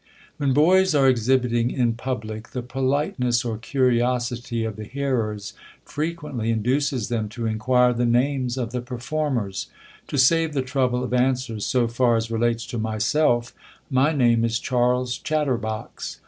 WHEN boys are exhibiting in public, the polite ness or curiosity of the hearers frequently in duces them to inquire the names of the performers. To save the trouble of answers, so far as relates to my self, my name is Charles Chatterbox.